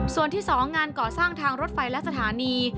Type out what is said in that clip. ส่วนที่๒งานก่อสร้างทางรถไฟและสถานี